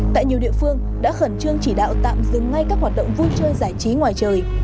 tại nhiều địa phương đã khẩn trương chỉ đạo tạm dừng ngay các hoạt động vui chơi giải trí ngoài trời